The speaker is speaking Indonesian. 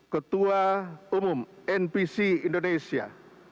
ketua umum npc indonesia